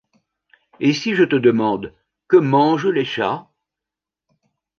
Et si je te demande «Que mangent les chats ?.